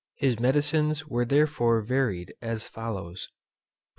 His medicines were therefore varied as follows: Rx.